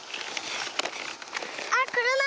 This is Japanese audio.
あっくるま！